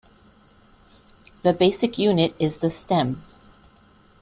The basic unit is the stem.